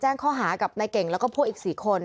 แจ้งข้อหากับนายเก่งแล้วก็พวกอีก๔คน